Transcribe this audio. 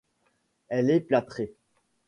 Elle est plâtrée.